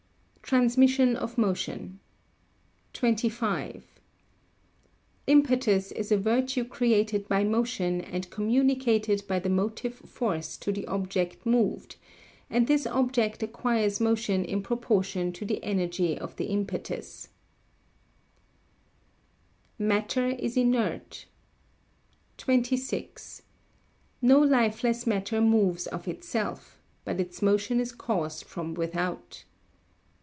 [Sidenote: Transmission of Motion] 25. Impetus is a virtue created by motion and communicated by the motive force to the object moved, and this object acquires motion in proportion to the energy of the impetus. [Sidenote: Matter is Inert] 26. No lifeless matter moves of itself, but its motion is caused from without.